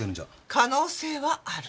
可能性はある。